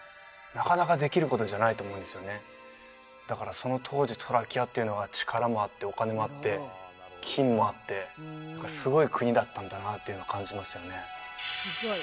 その当時トラキアっていうのは力もあってお金もあって金もあってすごい国だったんだなっていうのを感じますよね